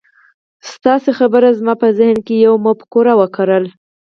ستاسې خبرو زما په ذهن کې يوه مفکوره وکرله.